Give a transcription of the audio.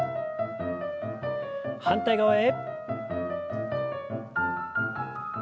反対側へ。